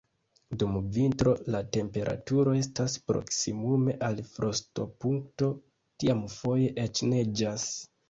Dum vintro la temperaturo estas proksimume al frostopunkto, tiam foje eĉ neĝas.